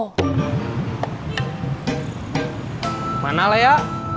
lagi ketemuan sama temennya dulu